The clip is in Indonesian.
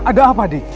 ada apa di